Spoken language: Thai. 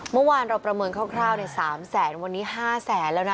เมื่อวานเราประเมินคร่าวคร่าวในสามแสนวันนี้ห้าแสนแล้วน่ะ